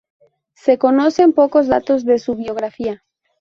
Se conocen pocos datos de su biografía.